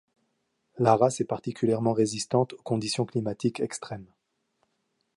La race est particulièrement résistante aux conditions climatiques extrêmes.